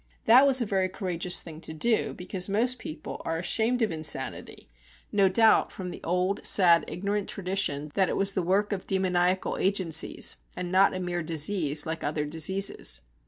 That was a very courageous thing to do, because most people are ashamed of insanity, no doubt from the old sad ignorant tradition that it was the work of demoniacal agencies, and not a mere disease like other diseases.